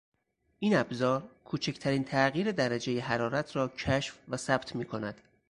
این ابزار کوچکترین تغییر درجهی حرارت را کشف و ثبت میکند.